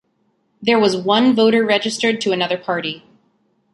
There was one voter registered to another party.